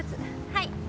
はい。